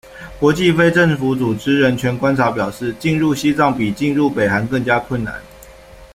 国际非政府组织人权观察表示，进入西藏比进入北韩更加困难。